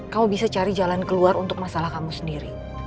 kamu bisa cari jalan keluar untuk masalah kamu sendiri